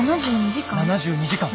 ７２時間？